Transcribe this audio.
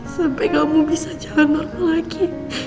sampai kamu bisa jalan lalu lagi